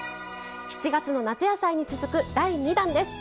７月の「夏野菜」に続く第２弾です。